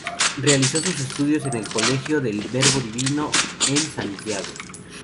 Realizó sus estudios en el Colegio del Verbo Divino en Santiago.